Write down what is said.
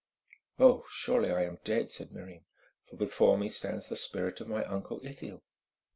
"Oh! surely I am dead," said Miriam, "for before me stands the spirit of my uncle Ithiel."